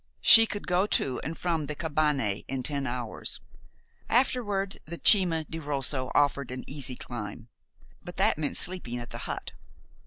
She could go to and from the cabane in ten hours. Afterward, the Cima di Rosso offered an easy climb; but that meant sleeping at the hut.